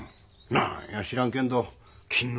何や知らんけんど勤皇